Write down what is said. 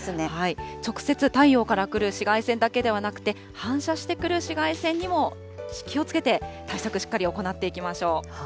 直接太陽から来る紫外線だけではなくて、反射してくる紫外線にも気をつけて、対策しっかり行っていきましょう。